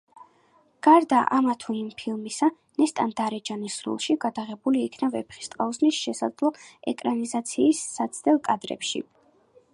გარდა ამა თუ იმ ფილმისა, ნესტან-დარეჯანის როლში გადაღებული იქნა „ვეფხისტყაოსნის“ შესაძლო ეკრანიზაციის საცდელ კადრებში.